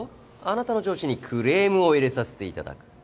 あなたの上司にクレームを入れさせていただく。